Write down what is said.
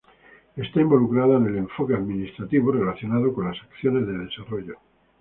Está involucrada en el enfoque administrativo relacionado con las acciones de desarrollo.